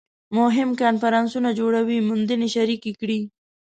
مهم کنفرانسونه جوړوي موندنې شریکې کړي